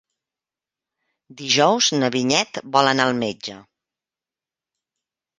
Dijous na Vinyet vol anar al metge.